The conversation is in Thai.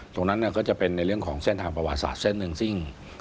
ตรงนั้นก็จะเป็นในเรื่องของเส้นทางประวัติศาสตร์เส้นหนึ่งซึ่ง